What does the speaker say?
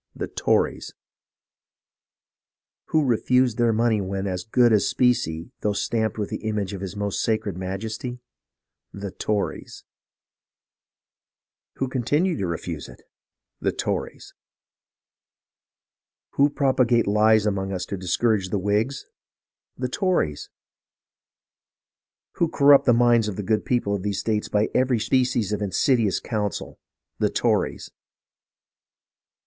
.The Tories ! Who refused their money when as good as specie, though stamped with the image of his most sacred Majesty ? The Tories ! Who continue to refuse it ? The Tories ! Who do all in their power to depreciate it ? The Tories ! Who propagate lies among us to discourage the Whigs ? The Tories ! Who corrupt the minds of the good people of these States by every species of insidious counsel ? The Tories